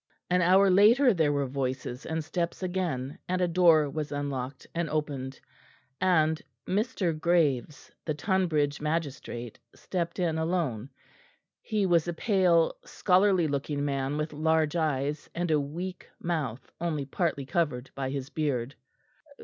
An hour later there were voices and steps again, and a door was unlocked and opened, and Mr. Graves, the Tonbridge magistrate stepped in alone. He was a pale scholarly looking man with large eyes, and a weak mouth only partly covered by his beard.